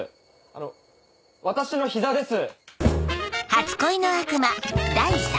あの私の膝です。